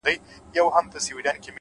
موخه لرونکی انسان د وخت قدر ښه پېژني,